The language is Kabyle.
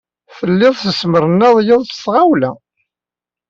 Telliḍ tesmernayeḍ s tɣawla.